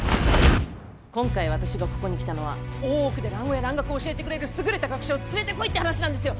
今回私がここに来たのは大奥で蘭語や蘭学を教えてくれる優れた学者を連れてこいって話なんですよ！